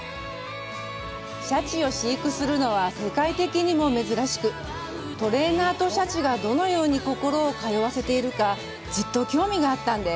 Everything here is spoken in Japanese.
シャチを飼育するのは世界的にも珍しく、トレーナーとシャチがどのように心を通わせているかずっと興味があったんです。